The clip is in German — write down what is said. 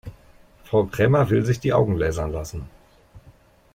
Frau Krämer will sich die Augen lasern lassen.